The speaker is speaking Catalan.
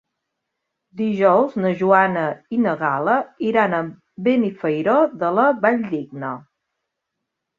Dijous na Joana i na Gal·la iran a Benifairó de la Valldigna.